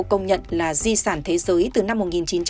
công nhận là di sản thế giới từ năm một nghìn chín trăm chín mươi